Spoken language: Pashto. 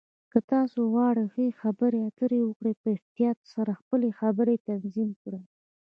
که تاسو غواړئ ښه خبرې اترې وکړئ، په احتیاط سره خپلې خبرې تنظیم کړئ.